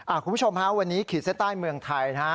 คุณผู้ชมฮะวันนี้ขีดเส้นใต้เมืองไทยนะฮะ